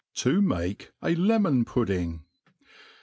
To make a Lemetf Pudding.